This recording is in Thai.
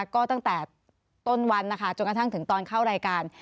ก็ตั้งแต่ต้นวันนะคะจนกระทั่งถึงตอนเข้ารายการ